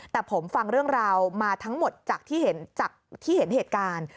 แต่ผมฟังเรื่องราวมาทั้งหมดจากที่เห็นเหตุการณ์